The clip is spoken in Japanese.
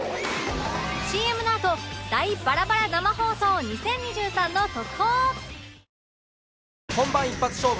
ＣＭ のあと『大バラバラ生放送２０２３』の特報